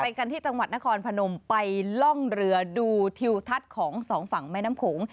กันที่จังหวัดนครพนมไปล่องเรือดูทิวทัศน์ของสองฝั่งแม่น้ำโขง